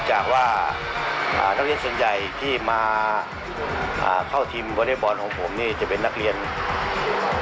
ยาท่าน้ำขาวไทยนครเพราะทุกการเดินทางของคุณจะมีแต่รอยยิ้ม